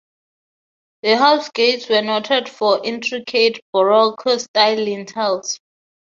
The house gates were noted for intricate baroque style lintels.